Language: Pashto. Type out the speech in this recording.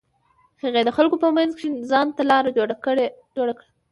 هغې د خلکو په منځ کښې ځان ته لاره جوړه کړه.